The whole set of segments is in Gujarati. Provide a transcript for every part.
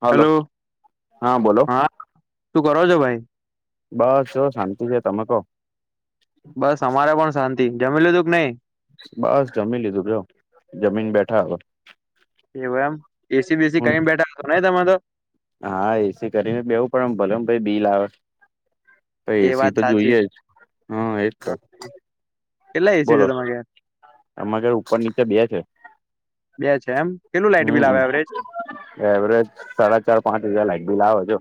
હલો હેલો હા બોલો. તું કરો છો ભાઈ. બસ સો શાંતિ છે તમે કહો. બસ અમારે પણ શાંતિ જમી લીધું કે નહી. બસ જમી લીધું જો જમીન બેઠા હવે. એવ એમ એસી બેસી હું કઈ બેઠા હતો નહિ તમારે તો. હા એસી કરીને બેવું પડે ભલે ભાઈ બિલ આવે. પ એ એસી વાત તો સાચી જોઈએ જ હા એજ તો. કેટલા એસી બોલો છે તમારે ઘેર અમાર ઘરે ઉપર નીચે બે છે. બે છે એમ. કેટલું લાઈટ બિલ હમ આવે એવરેજ એવરેજ સાડા ચાર પાંચ હજાર લાઈટ બીલ આવે જો.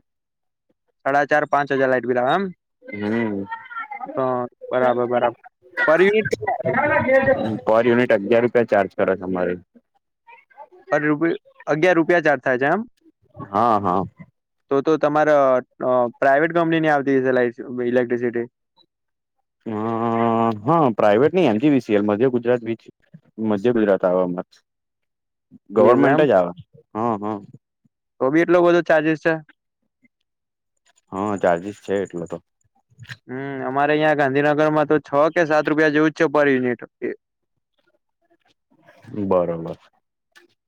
સાડા ચાર પાંચ હજાર લાઈટ બિલ આવે એમ. હમ. હ બરાબર બરાબર પર યુનીટ કેટલા હે. ગ [inaudible] પર યુનિટ અગીયાર રૂપિયા ચાર્જ કરે તમારી. અરે રૂપ અગિયાર રૂપિયા ચાર્જ થાય છે એમ. હા હા. તો તો તમારઅ અ પ્રાઇવેટ કંપની ની આવતી હશે લાઈટ બિલ ઇલેક્ટ્રિસિટી હ હા પ્રાઇવેટ ની એજીવીસીએલ મઘ્ય ગુજરાત બિચ મધ્ય ગુજરાત આવ અમારે. [unintelligible] એમ ગવર્મેન્ટ જ આવે હમ હમ. તો બી એટલું બધો ચાર્જિસ છે. હા ચાર્જિસ છે એટલે તો. હમ અમારે અહિયા ગાંધીનગરમાં તો છ કે સાત રૂપિયા જેવું જ છે પર યુનિટ બરોબર.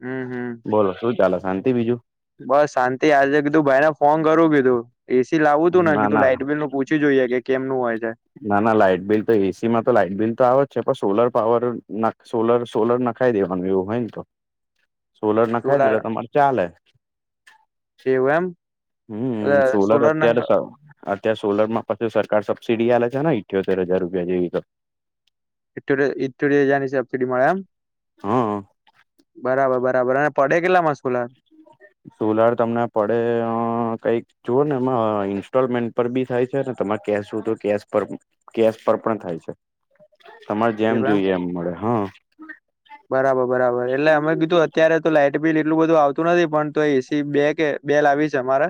હમ હમ બોલો શું ચાલે શાંતિ બીજું. બસ શાંતિ આજે કીધું ભાઈને ફોન કરું કીધું એસી લાવું તું ને ના કીધું ના લાઈટ બિલ નું પૂછ છી જોઈએ કે કેમનું હોય છે. ના, ના લાઈટ બિલ તો એ સી માં તો લાાઈટ બિલ તો આવે જ છે, પણ સોલર પાવર ના સોલર-સોલર ના નખાઈ દેવાનું હોય એવું હોય ને તો, સોલર નાખાઈ સોલાર દેઈ તમારે ચાલે. એવું એમ? હમ્મ, સોલર સોલાર નંગ અત્યારે તો અત્યારે સોલર માં પછી સરકાર સબસસીડી આલે છે ના, ઇઠ્યોતેર હજાર રૂપિયા જેવી તો. ઈઠ્યોતે ઈઠ્યોતેર હજારની સબસીડી મળે એમ? હા બરાબર-બરાબર. અને પડે કેટલાંમાં સોલાર? સોલાર તમને પડે અહ કંઈક જુઓ ને એમાં ઈન્સ્ટોલમેન્ટ પર બી થાય છે, ને તમારે કેશ હોય તો કેશ પર બી. કેશ પર પણ થાય છે, તમારે જેમ જોઈએ એમ મળે, હા. બરાબર-બરાબર. એટલે અમે કીધું અત્યારે તો લાઈટ બિલ એટલું બધું આવતું નથી, પણ તોય એ સી બે કે બે લાવી છે અમારે,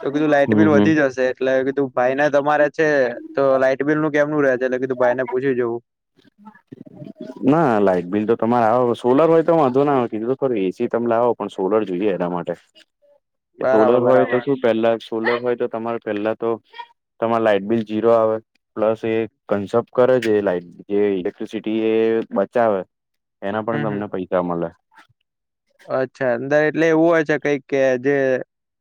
તો કીધું લાઈટ હમ બિલ હમ વધી જશે એટલે કીધું ભાઈ ને તમારે છે, તો લાઈટ બિલ નું કેમનું રહેે છે, એટલે કીધું ભાઈને પૂછી જોવું. [inaudible] ના લાઈટ બિલ તો તમારે આવો, સોલર હોય તો વાંધો ના આવે, કીધું ખરી. એ સી તમ લાવો પણ સોલર જોઈએ એના માટે. [inaudible] કે સોલર હોય તો બરાબર શું પહેલા સોલર હોય તો તમારે પહેલા તો તમારે લાઈટ બિલ જીરો આવે, પ્લસ એ કન્સેપ્ટ કરે છે એ લાઈટ બિલ. જે ઇલેક્ટ્રિસિટી એ બચાવે એના પણ હમ હમ તમને પૈસા મલે. અચ્છા. અંદર એટલે એવું હોય છે કંઈક કે જે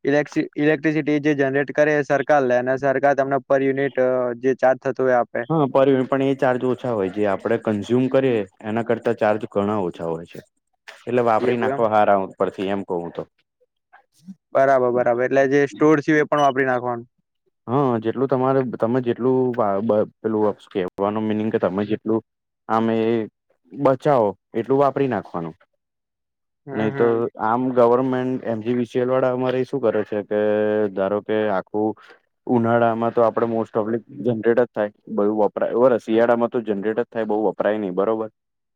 ઇલેકસિ ઇલેક્ટ્રિસિટી જે જનરેટ કરે એ સરકાર લે, અને સરકાર તમને પર યુનિટ જે ચાર્જ થતું હોય આપણે હા પણ, પણ એ ચાર્જ ઓછા હોય, જે આપણે કન્ઝ્યુમ કરીએ એના કરતા ચાર્જ ઘણા ઓછા હોય છે. એટલે વાપરી એવું એમ નાખવા હારા ઉપથી એમ કવ હું તો. બરાબર-બરાબર. એટલે જે સ્ટુર થયું એ પણ વાપરી નાખવાનું? હા. જેટલું તમારે તમે જેટલું [unintelligible] પહેલું કહેવાનું મિનિંગ કે તમે જેટલું આમે બચાવો એટલું વાપરી નાખવાનું, હમ નહીં તો હમ આમ government M G V C L વાળા અમારેય શું કરે છે કે ધારો કે આખું ઉનાળામાં તો આપડે મોસ્ટ ઓફલી જનરેટ જ થાય બધુ, વપરાય [unintelligible] શિયાળામાં તો જનરેટ જ થાય બહુ વપરાય નહીં, બરોબર?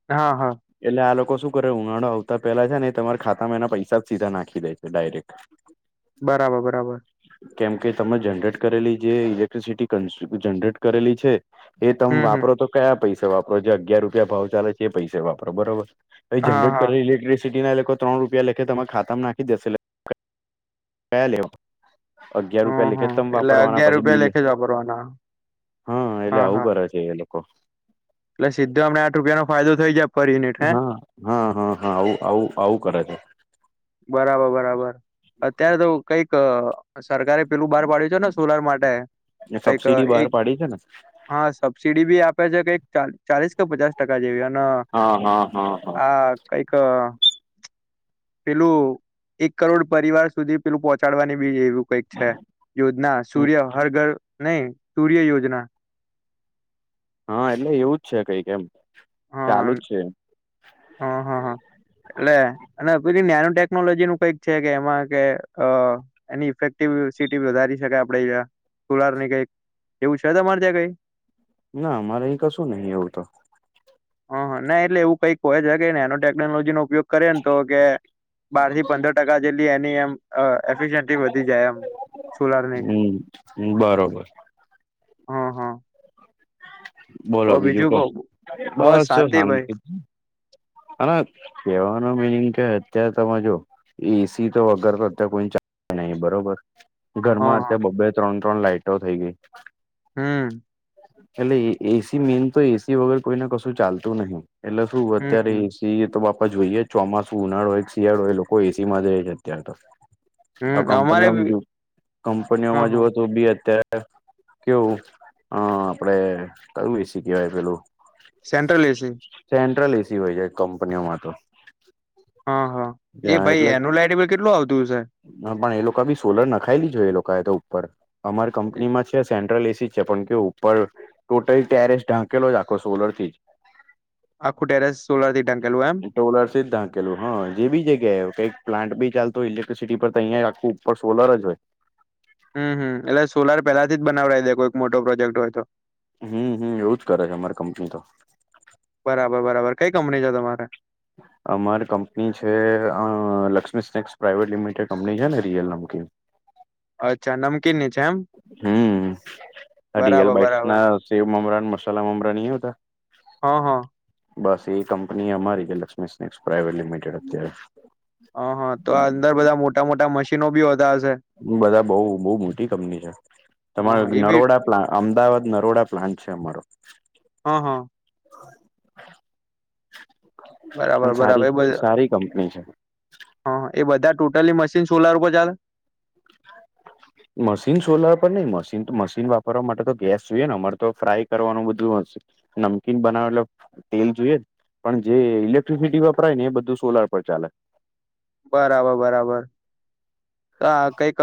હા, હા. એટલે આ લોકો શું કરે ઉનાળો આવતા પહેલા છે ને ઈ તમારા ખાતામાં એના પૈસા જ સીધા નાખી દે છે ડાયરેક્ટ. બરાબર-બરાબર. કેમ કે તમે જનરેટ કરેલી જે ઇલેક્ટ્રિસિટી કસ જનરેટ કરેલી છે એ તમ હમ હમ વાપરો તો કયા પૈસે વાપરો? જે અગિયાર રૂપિયા ભાવ ચાલે છે એ પૈસે વાપરો, બરોબર? એ હા જનરેટ હા કરેલી ઇલેક્ટ્રિસટી ના એ લોકો ત્રણ રૂપિયા લેખે તમે ખાતામાં નાખી દશે [unintelligible] અગિયાર હમ રૂપિયા હમ લેખે, તમ એટલે ફરવાના, અગિયાર પછી રૂપિયા બિલ, લેખે જ વાપરવાના હા એટલે આવું કરે છે એ લોકો. એટલે સીધા આપણને આઠ રૂપિયાનો ફાયદો થઈ જાય. પર યુનિટ હે હા, હા, હા, હા આવું-આવું-આવું કરે છે. બરાબર-બરાબર. અત્યારે તો કંઈક અહ આ સરકારે પહેલું બહાર પાડ્યું છે ને સોલાર માટે, એ કંઈક સબસીડી બહાર એક પાડી છે ને હા સબસિડી બી આપે છે, કંઈક ચા ચાલીસ કે પચાસ ટકા જેવી. અન હા, હા, હા, હા. આ કંઈક પેલું એક કરોડ પરિવાર સુધી પહેલું પહોંચાડવાની [unintelligible] કંઈક છે, યોજના હમ સૂર્ય હર ઘર નહીં, સૂર્ય યોજના. હા એટલે એવું જ છે કંઈક એમ. હા ચાલુ જ છે. હા હા હા એટલે અને પે નાનું ટેકનોલોજી નું કઈક છે કે એમાં કે અ એની ઇફેક્ટિવ સિટી વધારી શકાય આપડેં કોલાર ની કઈક એવું છે તમારે ત્યાં કઈ ના અમારે અહીં કશું નહી એવું તો હ હા ના એટલે એવું કઈક કોય છે કે ને એનો ટેકનોલોજી નો ઉપયોગ કરે ને તો કે બાર થી પંદર ટકા જેટલી એની એમ એફિ વધી જાય એમ સોલારની હમ્મ બરોબર હા હા કો બીજું કહ બસ શાંતિ ભાઈ હ કેવાનું મિનિંગ કે અત્યારે ત જો એસી તો વગર તો અત્યારે કોઈ ચાલ નહી બરોબર હા ઘરમાં હા અત્યારે બબે ત્રણ ત્રણ લાાઈટો થઈ ગઈ. હમ્મ એટલે એ એસી મેન તો એસી વગર કોઈને કશું ચાલતું નહિ એટલે શું હમ અત્યારે હમ એસી એ તો બાપા જોઈએ ચોમાસું ઉનાળોય શિયાળો હોય લોકો એસી માં જાય છે અત્યાર તો આ હમ અમારે બી કંપની હા કંપનીઓમાં હા જુઓ તો બી અત્યારે કેવું અ આપડે કયુ એસી કેવાય પેલું સેન્ટ્રલ એસી સેન્ટ્રલ એસી હોય છેાય કંપનીઓમાં તો હા હા એ ભાઈ એનું લાઈટબલ કેટલું આવતું છે. હ પણ એ લોકો બી સોલર ન નાખાયલીી જો એ લોકો એ તો ઉપર અમારી કંપની માં છે સેન્ટ્રલ એસી છે પણ કે ઉપર ટોટલ ટેરેસ ઢાંકેલો જ આખો સોલર થી જ. આખું ટેરેસ સોલર થી ઢંકેલું એમ ટોલર જલું હ જે બી જગ્યા એ કઈક પ્લાન્ટ ભી ચાલતો ઇ સિટી પર અહીંયા આખ ઉપર સોલર જ હોય હમ હમ એટલે સોલાર પેલાથી જ બનાવઈ દે કોઈક મોટો પ્રોજેક્ટ હોય તો. હમ્મ હમ્મ એવું જ કરે છે અમારી કંપની તો. બરાબર બરાબર કઈ કંપની છે તમારે અમારી કંપની છે Lakshmi snacks private limited company છે ને રિયલ નમકીન અચ્છા નમકીન હમ્મ રિયલ બરાબર બાઈટ્સ બરાબર ના સેવ મમરાન મસાલા મમરા ની આવતા હા હા બસ એ કંપની અમારી કે લક્ષ્મી સ્નેક્સ પ્રાઇવેટ લિમિટેડ અત્યારે હ હા તો આ અંદર બધા મોટા મોટા મશીનો બી હોતા હશે બધા બઉ બહુ મોટી કંપની છે હા તમારે હા એ બી નરોડા અમદાવાદ નરોડા પ્લાન છે અમારો હા હા બરાબર અને સારી બરાબર એ બધા સારી કંપની છે. હા એ બધા ટોટલી મશીન સોલાર ઉપર ચાલે મશીન સોલર પર નહી મશીન મશીન વાપરવા માટે તો ગેસ જોઈએ ને અમારે તો ફ્રાય કરવાનું બધું નમકીન બનાવેલ તેલ જોઈએ પણ જે ઇલેક્ટ્રિસિટી વપરાય ને એ બધું સોલાર પર ચાલે બરાબર બરાબર તો કઈક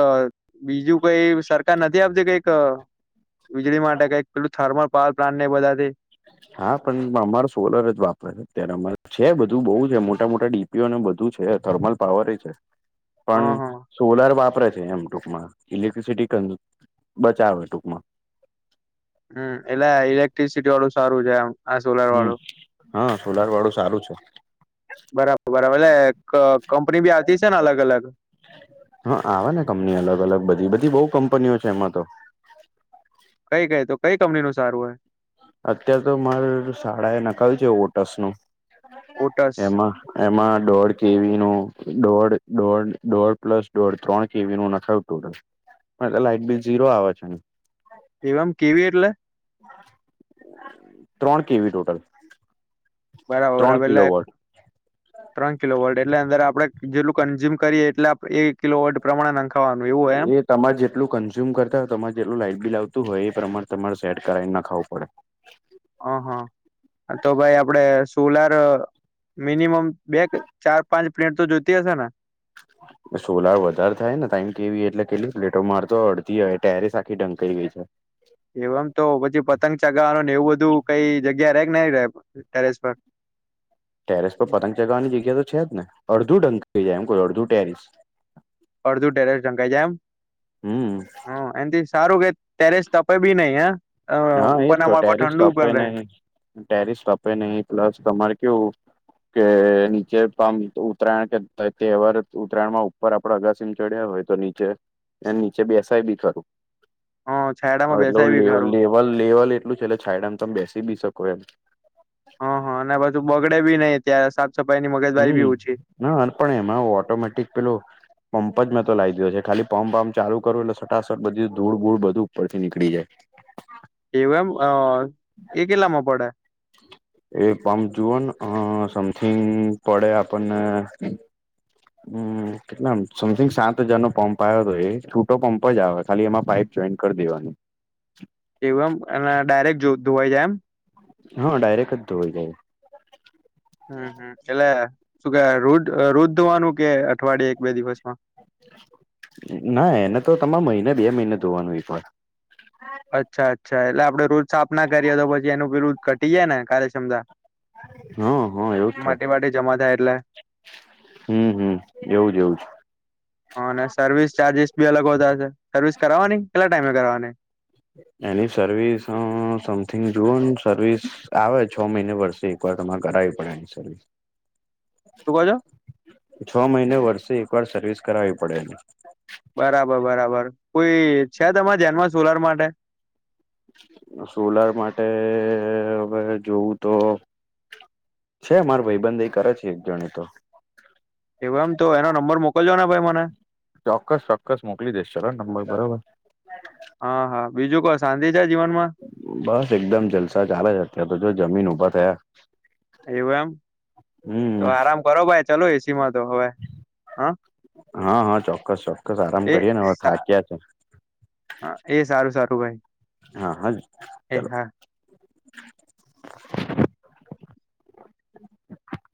બીજું કઈ સરકાર નથી આપતી કઈક વીજળી માટે કઈક પેલું થર્મલ પાવર પ્લાન્ટ નઈ બધાથી હા પણ અમારો સોલર જ વાપરે અત્યારે અમારે છે બધું બહુ છે મોટા મોટા ડીપ બધું છે થર્મલ પાવર એ છે. પણ હા હા સોલાર વાપરે છે એમ ટૂંકમાં ઇલેક્ટ્રિસિટી બચાવ ટૂંકમાં હમ્મ એટલે ઇલેક્ટ્રિસિટી વાળું સારું છે આમ આ સોલાર હમ વાળું હા સોલાર વાળું સારું છે બરાબર બરાબર એટલે કંપની બી આવતી છે ને અલગ અલગ હા આવે ને કંપની અલગ અલગ બધી બધી બહુ કંપનીઓ છે એમાં તો કઈ કઈ તો કઈ કંપનીનું સારું હોય અત્ય્યારે તો મારે સાળા એ નાખ્યું છે ઓટસ નું ઓટસ એમાં એમાં દોઢ કેવી નું દોઢ દોઢ દોઢ પ્લસ દોઢ ત્રણ કેવી નું નાખાવ લ પણ એટલે લાઈટ બિલ ઝીરો આવે છે એમ કેવી એટલે ત્રણ કેવી ટોટલ બરાબર ત્રણ બરાબર કિલો વોટ એટલે ત્રણ કિલો વોડ એટલે અંદર આપડણે જેટલું કન્ઝ્યુમ કરીએ એટલે એક કિલો વોડ પ્રમાણે નખાવાનું એવું હોય એમ એ તમારે જેટલું કન્ઝ્યુમ કરતા હોય તમારે જેટલું લાઈટ બિલ આવતું હોય એ પ્રમાણે તમારે સેટ કરાવીને નાખાવું પડે હ હા તો ભાઈ આપડે સોલાર મિનિમમ બે ચાર પાંચ પ્લેન્ટ તો જોતી હશે ને [inaudible] સોલાર વધારે થાય ને ટાઈમ કેવી એટલે કેટલી પ્લેટો માર તો અડધ હોય ટેરસ આખી ઢંકાઈ ગઈ છે એવમ તો પછી પતંગ ચગાવવાનો ને એવું બધું કઈ જગ્યા ર કે ન ટેરેસ પર ટેરસ પર પતંગ ચગાવવાની જગ્યા તો છે જ ને અડધું ઢં જાય એમ કો અડધું ટેરિસ અડધુ ટેરેસ ઢકાઈ જાય એમ હમ હ એથી સારું કે ટેરેસ તપે બી નઈ હ. હા એજ તો ટેરિસ તપે નહીિ ટેરિસ તપે નહિ પ્લસ તમારે કેવું. કે નીચે પામ ઉત્તરાયણ કે તહેવાર ઉત્તરાયણમાં ઉપર. અગાસી માં ચડ્યા હોય તો નીચે એ નીચે બેસાય બી ખરું હ છાયડામાં એટલે બેસાય બી ખરું લેવલ લેવલ એટલું છે એટલે છાયડામાં તમે બેસી બી શકો એમ. હ હા અને પાછું બગડે બી નઈ ત્યારે સાફ સફાઈ ની મગજબારી હમ બી ઓછી. ના પણ એમાં ઓટોમેટિક પેલું. પંપ જ મેં તો લીધયો છે ખાલી પંપંપ ચાલુ કરું એટલે સટાસટ બધું ધૂળ ધૂળ બધું ઉપરથી નીકળી જાય. હા. એમ એ કેટલામાં પડે. એ પમ્પ જુઓ ને સમથીિંગ પડે આપણને. હમ કેટલામ સમથિંગ સાત હજાર નો પંપ આવ્યો હતો એ છૂટો પંપ જ આવે ખાલી એમાં પાઈપ. જોઈન કરી દેવાનું. એવું એમ ડાયરેક્ટ ધોવાઈ જાય એમ. હા ડાયરેક્ટ જ ધોવાઈ જાય. હમ હ એટલે શું કે રોજ ધવાનું કે અઠવાડિયે એક બે દિવસમાં. ના એને તો તમારે મહિને બે મહિને ધોવાનું હો પણ. અચ્છા અચ્છા એટલે આપડે રુજ સ્થાપના કરીએ તો પછી એનું બીુધ ઘટી જાય ને કાર્યક્ષમતા હા હા એવુંજ થાય. માટે માટે જમા થાય એટલે હમ હમ એવું જ એવું જ હ અને સર્વિસ ચાર્જિસ બી અલગ હોતા હશે સર્વિસ કરાવવાની કેટલા ટાઈમે કરવાની. એની સર્વિસ સમથિંગ જુઓ ને સર્વિસ આવે છ મહિને વર્ષે ઉપર તમારે કરાવવી પડે એ. શું કહો છો છ મહિને વર્ષે એક વાર સર્વિસ કરાવવી પડે બરાબર બરાબર કોઈ છે તમારા ધ્યાનમાં સોલર માટે. સોલાર માટે હવે જોવું તો. છે માર ભાઈબંધ એ કરે છે એક જણ ઈતો. એવ એમતો એનો નંબર મોકલજો ને ભાઈ મને. ચોક્કસ ચોક્કસ મોકલી દેસ નંબર બરોબર. હા હા બીજું કો શાંતિ છે જીવનમાં. બસ એકદમ જલસા ચાલે છે અત્ય્યારે તો જો જમીન ઊભા થયા. એવું એમ તો હમ આરામ કરો ભાઈ ચાલ એસીમાં તો હવે. હા હા હા ચોક્કસ ચોક્કસ આરામ એ કરીએે ને હવે થાક્યા છે. હા એ સારું સારું ભાઈ. હા હ એ ચાલો. હા